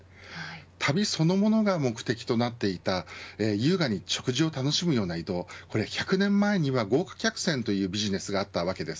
旅そのものが目的となっていた優雅に食事などを楽しむような移動これ、１００年前には豪華客船というビジネスがあったわけです。